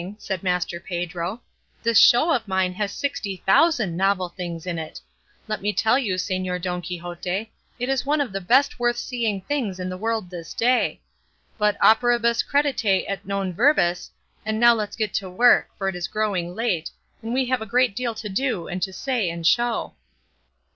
said Master Pedro; "this show of mine has sixty thousand novel things in it; let me tell you, Señor Don Quixote, it is one of the best worth seeing things in the world this day; but operibus credite et non verbis, and now let's get to work, for it is growing late, and we have a great deal to do and to say and show."